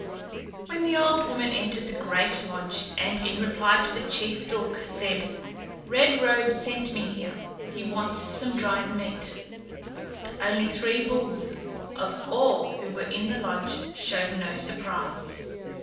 When the old woman entered the great lodge and in reply to the chief's look said, "Red Robe sent me here. He wants some dried meat," only Three Bulls of all who were in the lodge, showed no surprise.